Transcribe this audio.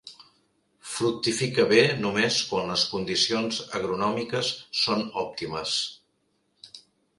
Fructifica bé només quan les condicions agronòmiques són òptimes.